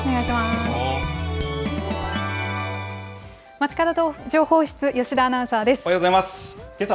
まちかど情報室、吉田アナウンサーです。